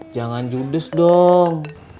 jangan judes dong